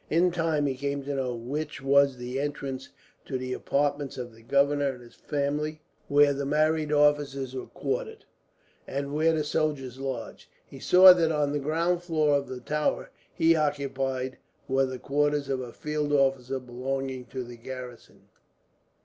In time he came to know which was the entrance to the apartments of the governor and his family, where the married officers were quartered, and where the soldiers lodged. He saw that on the ground floor of the tower he occupied were the quarters of a field officer belonging to the garrison.